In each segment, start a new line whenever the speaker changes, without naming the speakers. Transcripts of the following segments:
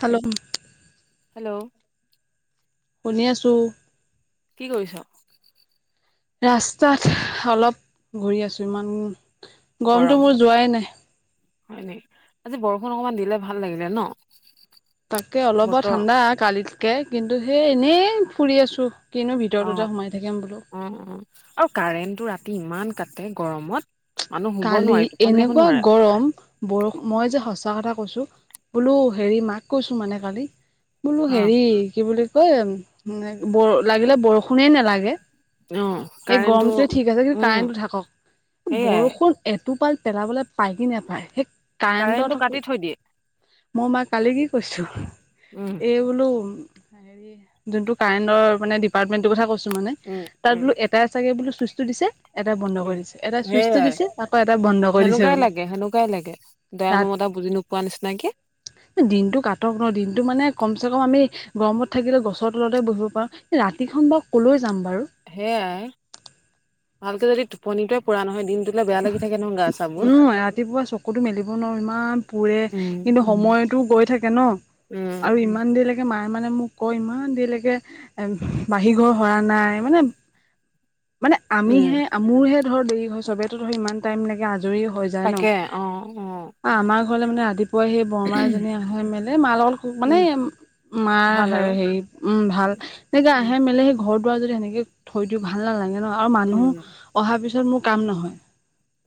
Hello
hello
শুনি আছো
কি কৰিছ
ৰাস্তাত অলপ ঘূৰি আছো ইমান
গৰম
গৰমটো মোৰ যোৱাই নাই
হয় নেকি আজি বৰষুণ অকমান দিলে ভাল লাগিলে ন।
তাকে অলপ
বতৰ
ঠাণ্ডা কালিতকে কিন্তু সেই এনেই ফুৰি আছো। কিনো ভিতৰতোতে
অ',
সোমাই থাকিম বোলো
অ', অ', আৰু কাৰেণ্টটো ৰাতি ইমান কাটে গৰমত। মানুহ শুব
কালি
নোৱাৰি টোপনি যাব
এনেকুৱা
নোৱাৰে
গৰম বৰ মই যে সঁচা কথা কৈছোঁ বোলো হেৰি মাক কৈছোঁ মানে কালি বোলো
অ
হেৰি কি বুলি কয় লাগিলে বৰষুণে নালাগে
অ
এই
কাৰেণ্টটো
গৰমটোৱে ঠিক আছে কিন্তু
উম
কাৰেণ্টটো থাকক
সেইয়াই
বৰষুণ এটোপাল পেলাবলৈ পায় কি নেপায় সেই
কাৰেণ্টটো
কাৰেণ্টৰ
কাটি থৈ দিয়ে।
মই মাক কালি কি কৈছো
উম।
এই বোলো হেৰি যোনটো কাৰেণ্টৰ মানে ডিপাৰ্টমেণ্টৰ কথা কৈছো। মানে
উম
তাত
উম
বোলো এটা এ চাগে বোলো চুইচটো দিছে এটাই বন্ধ
উম
কৰি দিছে এটাই চুইচটো
সেইয়াই
দিছে আকৌ এটাই বন্ধ কৰি দিছে
সেনেকুৱাই
বোলো
লাগে
তাত
পোৱা নিচিনাকৈ।
দিনটো কাটক ন দিনটো মানে কমচে কম আমি গৰমত থাকিলে গছৰ তলতে বহিব পাৰো কিন্তু ৰাতিখন বাৰু কলৈ যাম বাৰু।
সেয়াই ভালকে যদি টোপনিটোৱে পুৰা নহয় দিনটোলৈ বেয়া লাগি থাকে নহয় গা চাবোৰ
উম, ৰাতিপুৱা চকুতো মেলিব নোৱাৰো ইমান পোৰে।
উম
কিন্তু সময়তো গৈ থাকে ন।
উম।
আৰু ইমান দেৰিলৈকে মায়ে মানে মোক কয় ইমান দেৰিলৈকে বাহিৰ ঘৰ সৰা নাই মানে মানে
উম
আমিহে মোৰহে ধৰ দেৰি হয় চবেতো ধৰ ইমান টাইম লাগে আজৰি হয়
তাকে অ', অ'।
আমাৰ ঘৰলৈ মানে ৰাতিপুৱাই সেই বৰমা এজনী আহে মেলে মাৰ লগত মানে
উম
মাৰ
ভাল আৰু
হেৰি উম, ভাল এনেকে
উম
আহে মেলি সেই ঘৰত [unintelligible] যদি সেনেকে থৈ দিওঁ ভাল নালাগে ন আৰু
উম
মানুহ অহাৰ পিছত মোৰ কাম নহয়।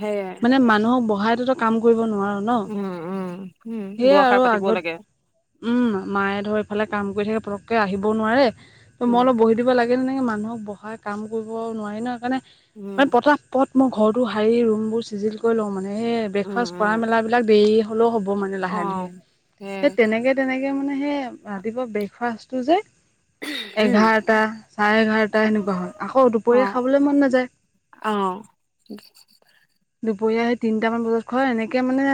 সেয়ে
মানে মানুহক বহাই তো কাম কৰিব নোৱাৰ ন
উম উম উম
সেয়া
দুআষাৰ
আৰু
পাতিব
আগত
লাগে
উম, মায়ে ধৰ এইফালে কাম কৰি থাকে পটকে আহিবও নোৱাৰে ত মই
উম
অলপ বহি দিব লাগে তেনেকে মানুহক বহাই কাম কৰিব নোৱাৰি ন
উম
সেইকাৰণে প্ৰথম মই ঘৰটো সাৰি ৰুমবোৰ চিজিল কৰি লওঁ মানে
উম
ব্ৰেকফাষ্ট কৰা
উম
মেল বিলাক দেৰি হ'লেও হ'ব মানে
অ
লাহে ধীৰে।
সেই
সেই তেনেকে তেনেকে মানে সেই ৰাতিপুৱা ব্ৰেকফাষ্টটো যে
উম
এঘাৰটা চাৰে এঘাৰটা সেনেকুৱা হয় আকৌ
অ
দুপৰীয়া খাবলৈ মন নাযায়।
অ'।
দুপৰীয়া সেই তিনটামান বজাত খোৱা এনেকে মানে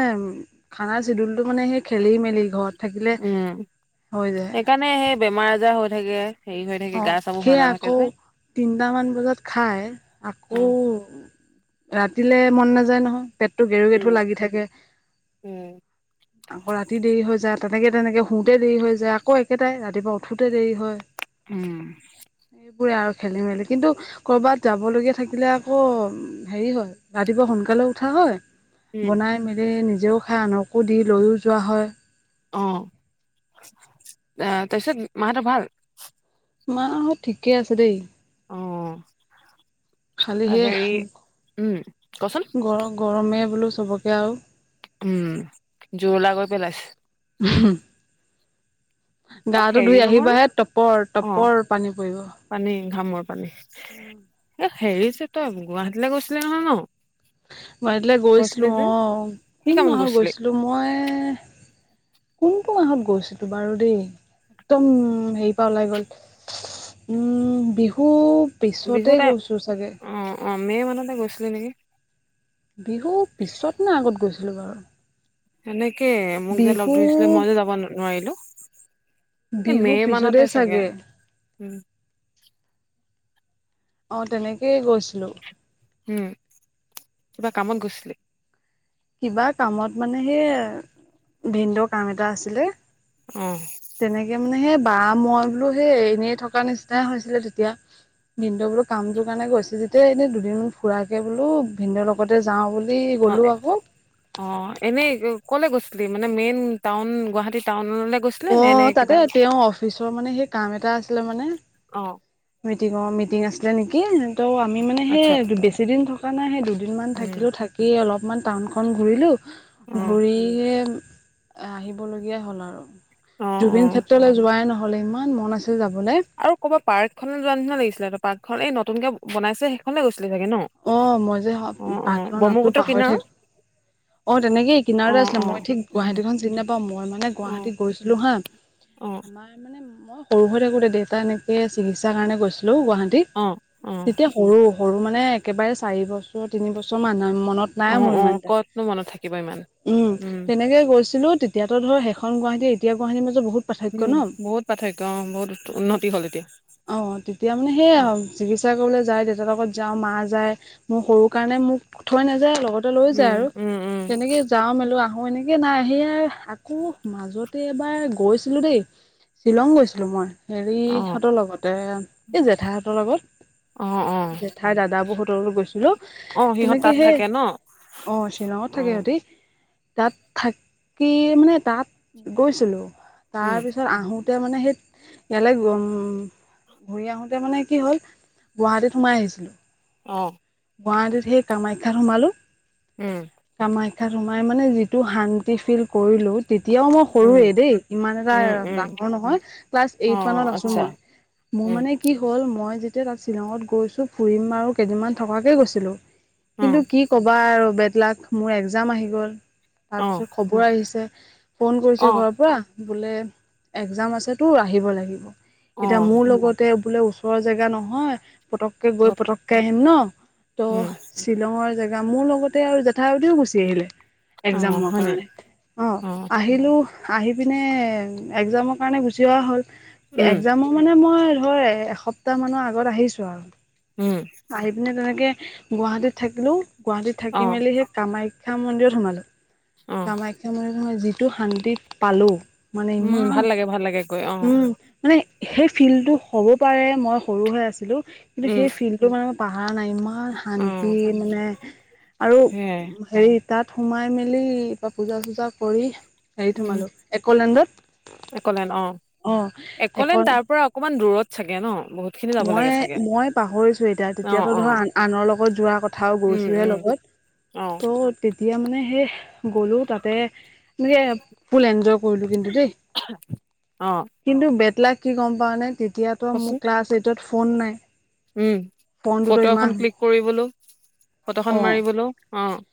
খানা চেডুল টো মানে সেই খেলি মেলি ঘৰত থাকিলে
উম
হৈ যায়।
সেইকাৰণে সেই বেমাৰ আজাৰ হৈ থাকে। হেৰি হৈ থাকে গা
অ',
চাবোৰ ভাল
সেই
নাথাকে
আকৌ
যে
তিনটামান বজাত খাই আকৌ
উম
ৰাতিলে মন নাযায় নহয় পেটটো গেৰু গেথু
উম
লাগি থাকে।
উম
আকৌ ৰাতি দেৰি হৈ যায় তেনেকে তেনেকে শুতে দেৰি হৈ যায় আকৌ একেটাই ৰাতিপুৱা উঠোতে দেৰি হয়।
উম।
সেইবোৰে আৰু খেলি মেলি কিন্তু কৰবাত যাব লগীয়া থাকিলে আকৌ হেৰি হয় ৰাতিপুৱা সোনকালে উঠা হয়।
উম
বনাই মেলি নিজেও খাই আনকো দি লৈও যোৱা হয়।
অ', আহ তাৰপিছত মা হঁতৰ ভাল?
মা হত ঠিকে আছে দেই।
অ'।
খালি
হেৰি
সেই
উম কচোন
গ গৰমে বোলো চবকে আৰু।
উম জোৰলা কৰি পেলাইছে।
[unintelligible]
অ
গাটো
হেৰি
ধুই
নহয়
আহিবাহে
অ
টপৰ-টপৰ পানী পৰিব।
পানী ঘামৰ পানী, এ হেৰিছে তই গুৱাহাটীলৈ গৈছিলি নহয় ন।
গুৱাহাটীলৈ
কৈছিলি
গৈছিলোঁ
যে
অ,
কি
কোন
কামত
মাহত
গৈছিলি
গৈছিলোঁ মই কোনটো মাহত গৈছিলোঁ বাৰু দেই। একদম হেৰি পাৰ ওলাই গ'ল। উম বিহু পিছতে গৈছোঁ চাগে।
অঁ মে' মানতে গৈছিলে নেকি।
বিহু পিছত নে আগত গৈছিলোঁ বাৰু।
সনেকে মোক যে লগ
বিহু
ধৰিছিলে, মই যে যাব নোৱাৰিলো। এই
বিহু
মে'
পিছতে
মানতে চাগে। উম।
অঁ তেনেকেই গৈছিলোঁ।
উম কিবা কামত গৈছিলে?
কিবা কামত মানে সেই, ভিনদৰ কাম এটা আছিলে।
অ।
তেনেকে মানে সেই বা মই বোলো সেই এনেই থকা নিচিন হৈছিলে তেতিয়া। ভিনদেউ বোলো কামটোৰ কাৰণে গৈছে যেতিয়া এনেই দুদিনমান ফুৰাৰাকে বোলো ভিনন্দদৰ লগতে যাওঁ বো
অ
গ'লোঁ আকৌ।
অ এনেই কলে গৈছিলি, মানে মেইন টাউন গুৱাহাটী টাউনলে গৈছিল
অ তাতে তেওঁৰ অফিচৰ মানে সেই কাম এটা আছিলে মানে।
অ।
মিটিঙ অ, মিটিং আছিলে নেকি, ত' আমি মানে
আচ্ছা
সেই বেছি দিন থ থকা নাই, সেই দুদিনমান
উম
থাকিলো থাকি অলপমান টাউনখন ঘূৰিলো
অ
ঘূৰি আহিবলগীয়া হ'ল আৰু।
অ অ
জুবিন ক্ষেত্ৰলৈ যোৱাই নহ'লে ইমান মন আছিল যাবলৈ।
আৰু ক'বাত পাৰ্ক খনে যোৱা নিচিনা লাগিছিলে, ত পাৰ্কখন এই নতুনকে বনাইছে সেইখননে গৈছিলে চাগে ন?
অ মই যে
অ অ
পাৰ্ক খনৰ নামটো
ব্ৰহ্মপুত্ৰ
পাহৰি
কিনাৰত
থাকো অ তেনেকই কিনাৰতে
অ',
আছিলে, মই
অ',
ঠিক
অ',
গুৱাহাটীখন চিনি নাপাওঁ মই মানে
অ',
গুৱাহাটী গৈছিলো হা।
অ।
ময়ে মানে মই সৰু হৈ থাকোঁতে দেউতা এনেকে চিকিৎসাৰ কাৰণে গৈছিলো গুৱাহাটীত।
অ', অ',
তেতিয়া সৰু সৰু মানে একেবাৰে চাৰি বছৰ তিন বছৰ মান মনত নাই
অ',
মোৰ ইমান
অ',
এটা,
ক'তনো মনত থাকিব ইমান।
উম তেনেকে গৈছিলো এতিয়াতো ধৰ সেইখন গুৱাহাটী এতিয়া গুৱাহাটীৰ মাজ বহুত পাৰ্থক্য
উম,
ন,
বহুত পাৰ্থক্য অ', বহুত উন্নতি হ'ল এতিয়া।
অ তেতিয়া মানে সেইয়া
উম,
চিকিৎসা কৰিবলৈ যায় দেউতাৰ লগত যাওঁ, মা যায় মোৰ সৰু কাৰণে মোক থৈ নাযায় লগত লৈ যায়
উম,
আৰু।
উম, উম,
তেনেকে যাওঁ মেলো আহো, এনেকে নাই সেয়া আকৌ মাজতে এবাৰ গৈছিলো দেই। শ্বিলং গৈছিলোঁ মই।
অ',
হেৰিহঁতৰ লগতে এ এই জেঠাইহঁতৰ লগত
অ', অ',
জেঠাই, দাদা বহুত ৰ গৈছিলো।
অ', সিহঁত
তেনেকে
তাত
সে,
থাকে ন?
অ শিলঙত থাকে
অ',
ইহঁতি। তাত থাকি মানে তাত গৈছিলোঁ
উম,
তাৰপিছত আহোঁতে তেতিয়া মানে সি বেলেগ ঘূৰি আহোঁতে মানে কি হ'ল, গুৱাহাটীত সোমাই আহিছিলোঁ।
অ'।
গুৱাহাটীত সেই কামাখ্যাত সোমালো।
উম।
কামাখ্যাত সোমাই মানে যিটো শান্তি ফিল কৰিলো, তেতিয়াও মই
উম,
সৰুৱে দেই, ইমান এটা
উম, উম,
ডাঙৰ নহয় ক্লাছ এইট
অ',
মানত আছো
আচ্ছা,
মই। মোৰ
উম,
মানে কি হ'ল মই যেতিয়া তাত শ্বিলঙত গৈছোঁ ফুৰিম আৰু কেইদিনমান থকাকে গৈছিলোঁ।
অ',
কিন্তু কি ক'বা আৰু বেদলাক মোৰ একজাম আহি গ'ল।
অ',
তাৰপিছত খবৰ আহিছে, ফোন কৰিছে
অ',
ঘৰৰ পা বোলে একজাম আছে তোৰ আহিব লাগিব, এতিয়া
অ',
মোৰ লগতে বোলে ওচৰৰ জেগা নহয় পতকে গৈ পতকে আহিম ন! ত'
উম,
শ্বিলঙৰ জেগা মোৰ লগতে আৰু জেঠাইহঁতেও গুচি আহিলে।
অ',
একজামৰ
হয়নে?
কাৰণে। অ', আহিলোঁ আহিপিনে একজামক কাৰণে গুচি অহা হ'ল,
উম,
একজামৰ মানে মই ধৰ এসপ্তাহ মানৰ আগত আহিছোঁ আৰু।
উম।
[unintelligible] তেনেকে গুৱাহাটীত থাকিলোঁ, গুৱাহাটীত থাকি
অ',
মেলি সেই কামাখ্যা মন্দিৰত সোমালোঁ।
অ',
কামাখ্যা মন্দিৰত নহয় যিটো শান্তি পালোঁ! মানে
উম,
ইমান
ভাল লাগে, ভাল লাগে গৈ অ',
উম মানে সেই ফিলটো হ'ব পাৰে মই সৰু হৈ আছিলোঁ কিন্তু
উম,
সেই ফিলটো মানে পাহৰা নাই, ইমান শান্তি
অ',
মানে আৰু
সেয়াই,
হেৰি তাত সোমাই মেলি বা পূজা-চূজা কৰি হেৰিত
উম।
সোমালোঁ একলেণ্ডত
একলেন
অ', এক
অকণমান দূৰত চাগে ন বহুত খিনি যাব লাগে
মই,
চাগে
মই পাহৰিছোঁ এতিয়া
অ
তেতিয়াতো
অ
ধৰা আনৰ লগত যোৱা কথাও
উম
গৈছোঁহে
উম
লগত।
অ'।
তো তেতিয়া মানে সেই গ'লো তাতে এনেকে ফুল এনজয় কৰিলোঁ কিন্তু দেই।
অ
কিন্তু বেদলাক কি গ'ম পাওঁনে তেতিয়াতো মোৰ
কচোন
ক্লাছ এইটত ফোন নাই।
উম,
ফোনটোতো
ফটো এখন
ইমান
ক্লিক কৰিবলও
অ
ফটোখন মাৰিবলও অ'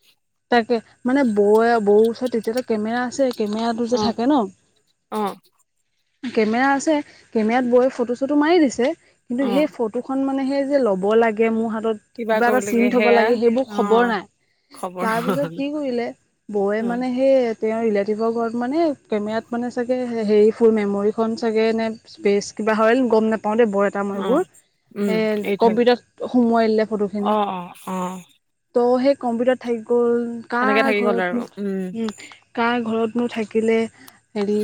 তাকে মানে বৌ, বৌ ওচৰত তেতিয়াতো কেমেৰা আছেই কেমেৰাটো যে
অ
থাকে ন!
অ
কেমেৰা আছে, কেমেৰাত বৌৱে ফটো-চটো মাৰি দিছে কিন্তু
অ
সেই ফটোখন মানে মানে সেই যে ল'ব লাগে মোৰ হাতত কিবা
কৰিব
এটা
লাগে
চিন থ'ব
সেয়া
লাগে সেইবোৰ
অ
খবৰ নাই।
খবৰ
তাৰপিছত
হ'ল।
কি কৰিলে বৌয়ে
উম
মানে সেই [unintelligible] ৰিলেটিভৰ ঘৰত মানে কেমেৰাত মানে চাগে হেৰি ফুল মেমৰিখন চাগে নে স্পেচ কিবা হয়, গম নাপাওঁ দে [unintelligible] [unintelligible]
অ
এইবোৰ
উম
এ,
এই থৈ
কম্পিউটাৰত সোমোৱাই দিলে ফটো
অ
খিনি।
অ অ
ত' সেই কম্পিউটাৰত থাকি গ'ল
সেনেকে
কাৰ
থাকি গ'ল আৰু
ঘৰত
উম
নো কাৰ ঘৰতনো থাকিলে, হেৰি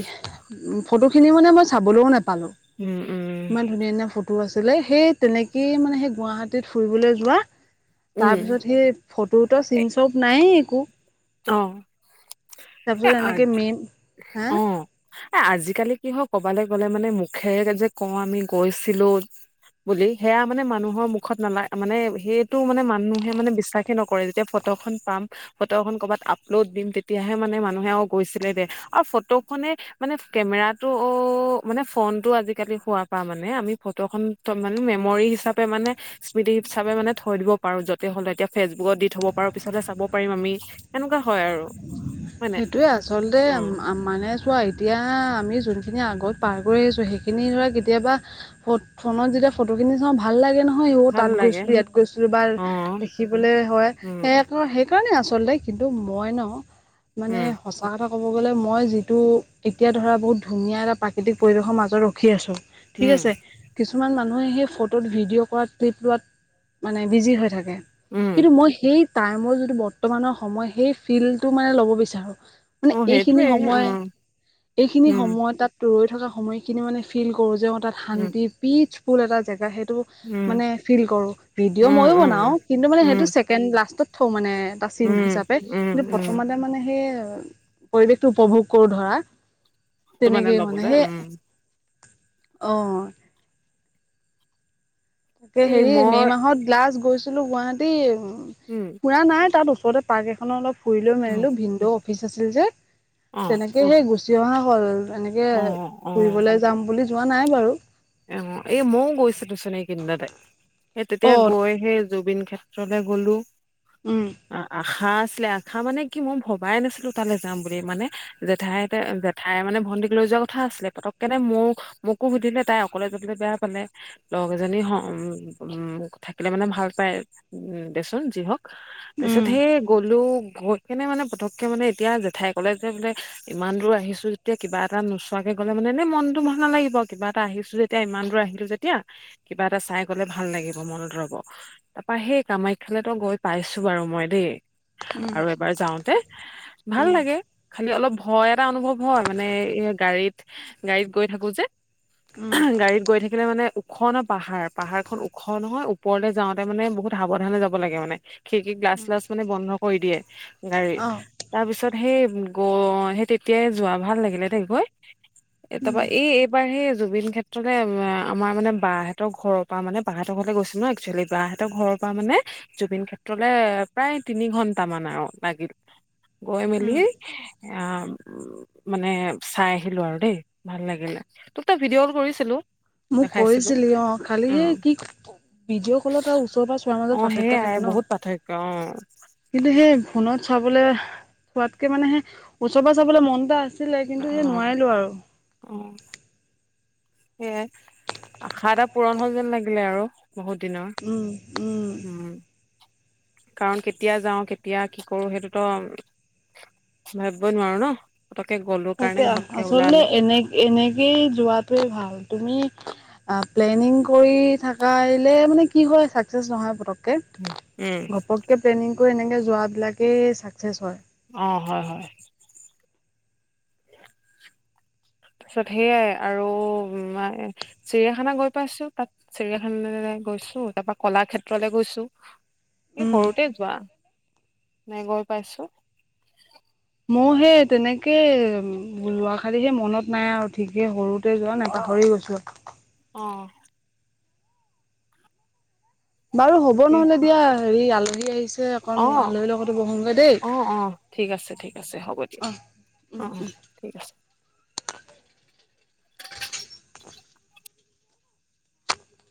ফটোখিনি মানে মই চাবলৈও নাপালোঁ।
উম, উম।
ইমান ধুনীয়া, ধুনীয়া ফটো আছিলে সেই তেনেকেয়ে মানে সেই গুৱাহাটীত ফুৰিবলে যোৱা
উম
তাৰপিছত সেই ফটোৰ
এ,
চিন স্বৰূপ নাইয়ে একো।
অ', এই
তাৰপিছত
আ
এনেকৈ মেইন হা
অ' এ, আজিকালি কি হয়, ক'বালে গ'লে মানে মুখেৰে যে কওঁ আমি গৈছিলোঁ বুলি সেয়া মানে মানুহৰ মুখত নালাগ মানে সেইটো মানে মানুহে মানে বিশ্বাস নকৰে যেতিয়া ফটো এখন পাম ফটোখন ক'ৰবাত আপলোড দিম তেতিয়াহে মানে মানুহে আৰু গৈছিলে দে আৰু ফটোখনে মানে কেমেৰাটো অ', মানে ফোনটো আজিকালি হোৱা পা মানে আমি ফটোখন ত' মানে মেমৰী হিচাপে মানে স্মৃতি হিচাপে মানে থৈ দিব পাৰোঁ য'তে হ'লে এতিয়া ফেচবুকত দি থ'ব পাৰোঁ পিছতহে চাব পাৰিম আমি। এনেকুৱা হয় আৰু। হয় নাই
সেইটোয়ে আচলতে
উম
আম-আমা মানে চোৱা এতিয়া আমি যোনখিনি আগত পাৰ কৰি আহিছোঁ সেইখিনি ধৰা কেতিয়াবা ফ-ফোনত যেতিয়া ফটোখিনি চাওঁ ভাললাগে নহয় অ',
ভাল
তাত
লাগে
গৈছিলোঁ, ইয়াত গৈছিলোঁ বা
অ
দেখিবলে হয়,
উম
সেইটো সেইকাৰণে আচলতে কিন্তু মই ন মানে
উম
সঁচা কথা ক'ব গ'লে, মই যিটো এতিয়া ধৰা বহুত ধুনীয়া এটা প্ৰাকৃতিক পৰিৱেশৰ মাজত ৰখি আছোঁ। ঠিক
উম
আছে। কিছুমান মানুহে সেই ফটোত ভিডিঅ' কৰা ক্লিপ লোৱাত মানে, বিজি হৈ থাকে।
উম
কিন্তু মই সেই টাইমৰ যিটো বৰ্তমানৰ সময় সেই ফিলটো মানে ল'ব বিচাৰো। মানে,
অ
এইখিনি
সেইটোৱে অ
সময় এইখিনি
উম
সময় তাত ৰৈ থকা সময়খিনি মানে ফিল কৰো, যে অ', তাত
উম
শান্তি পিচফুল এটা জেগা সেইটো
উম
মানে, ফিল কৰো
উম,
ভিডিঅ' মইো
উম,
বনাওঁ, কিন্তু মানে
উম,
সেইটো চেকেণ্ড লাষ্টত থওঁ মানে। এটা চিন
উম,
হিচাপে,
উম,
কিন্তু
উম,
প্ৰথমতে মানে সেই পৰিৱেশটো উপভোগ কৰো ধৰা।
টো
তেনেকে মানে
ল'বলে
সেই
উম।
অ',। তাকে
এই
হেৰি, মে
মই
মাহত লাষ্ট গৈছিলো গুৱাহাটী
উম।
ফুৰা নাই, তাত ওচৰতে পাৰ্ক এখনত অলপ ফুৰি লো
উম,
মেলিলো, ভিন্দৌ অফিচ আছিল যে।
অ',
তেনেকে সেই গুচি অহা হ'ল, এনেকে
অ',
ফুৰিবলৈ যাম বুলি যোৱা নাই বাৰু।
অ', এ মইও গৈছিলোচোন এই কেইদিনতে, সেই তেতিয়া
অ',
গৈ সে জুবিন ক্ষেত্ৰলে গ'লো।
উম,
অ', অ'। আশা আছিলে, আশা মানে, কি মই ভবাই নাছিলো তালৈ যাম বুলি মানে। জেঠাই-জেঠাই মানে ভণ্টিক লৈ যোৱা ক'থা আছিলে, পতকে নাই মোক মোকো সুধিলে। তাই অকলে যাবলৈ বেয়া পালে। লগ এজনী উ উম থাকিলে মানে, ভাল পায় দেচোন যি হওঁক। তাৰপিছত
উম,
সেই গ'লো গৈ কেনে মানে, পতককে মানে এতিয়া জেঠাই কলে যে বোলে ইমান দূৰ আহিছো, যেতিয়া কিবা এটা নোচোৱাকে গ'লে মানে, এনে মনতো ভাল নালাগিব, কিবা এটা আহিছো যে তেতিয়া ইমান দূৰ আহিলো যেতিয়া, কিবা এটা চাই গলে ভাল লাগিব মনত ৰব। তাৰাপা সেই কামাখ্যা লৈ তো গৈ পাইছো বাৰু মই দেই।
উম,
আৰু এবাৰ যাওঁতে ভাল
উম,
লাগে। খালি অলপ ভয় এটা অনুভৱ হয় মানে, এই গাড়ীত-গাড়ীত গৈ থাকো যে।
উম,
গাড়ীত গৈ থাকিলে মানে ওখ ন পাহাৰ-পাহাৰ খন ওখ নহয়, ওপৰলে যাওঁতে মানে, বহুত সাৱধানে যাব লাগে মানে। খিৰিকি গ্লাছ
উম,
ছাল্লছ মানে বন্ধ কৰি দিয়ে গাড়ীৰ।
অ',
তাৰ পিছত সেই গ সেই তেতিয়াই যোৱা, ভাল লাগিলে দে গৈ। এ, তাৰপা এই এইবাৰ হে জুবিন খেত লে আমাৰ মানে বা হতৰ ঘৰৰ পৰা মানে, বা হতৰঘৰলৈ গৈছিলো ন একচুৱেলি। বাহঁতৰ ঘৰৰ পৰা মানে জুবিন ক্ষেত্ৰলৈ প্ৰায় তিনি ঘন্টামান আৰু লাগিল গৈ মেলি।
উম,
আহ উ মানে চাই আহিলো আৰু দেই ভাল লাগিলে। তোক তই ভিডিঅ' কল কৰিছ ছিলো।
মোক কৰিছিলি অ', খালি এ কি ভিডিঅ' কলত আৰু ওচৰ পৰা চোৱাৰ
অ
মাজত পাৰ্থক্য
সেইয়াই
থাকে ন।
বহুত পাৰ্থক্য অ',।
কিন্তু সেই ফোনত চাবলৈ পোৱাতকে মানে, সেই ওচৰৰ চাবলৈ মন এটা আছে। ছিলে
অ
কিন্তু সেই নোৱাৰিলো আৰু।
অ',। সেয়ে আশা এটা পূৰণ হ'ল যেন লাগিলে আৰু বহুত দিনৰ।
উম উম।
উম। কাৰণ কেতিয়া যাওঁ, কেতিয়া কি কৰো সেইটোতো ভাবিবই নোৱাৰো ন। পতকে গ'লো
তাকে
কাৰণে ঘপকে
আচলতে
ওলালে।
এনে এনেকেই যোৱাতোৱে ভাল। তুমি অ', প্লেনিং কৰি থকা হলে মানে, কি হয় চাকচেছ নহয় পতক
উম
ঘপককে প্লেনিং কৰি এনেকে যোৱাবিলাকে চাকচেচ হয়।
অ', হয় হয়। তাৰপিছত সেইয়াই আৰু ম চিৰিয়াখানা গৈ পাইছোঁ তাত চিৰিয়াখান গৈছো তাৰ পৰা কলা ক্ষেত্ৰলে গৈছোঁ।
উম
সৰুতে যোৱা মে গৈ পাইছোঁ।
মই সেই তেনেকে যোৱা কালি সেই মনত নাই আৰু ঠিকে সৰু গোটে যোৱা ন পাহৰি গৈছোঁ।
অ'।
বাৰু হ'ব
তাকে
নহলে দিয়া হেৰি আলহী আহিছে অকণ
অ',
আলহীৰ লগতো বহোগৈ দেই
অ', অ', ঠিক আছে ঠিক আছে হ'ব দিয়া
অ উম
অ'। ঠিক আছে।